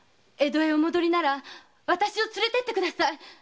江戸へお戻りならあたしを連れてってください！